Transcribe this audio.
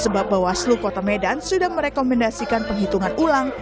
sebab bawaslu kota medan sudah merekomendasikan penghitungan ulang